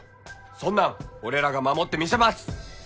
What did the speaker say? そんなん俺らが守ってみせます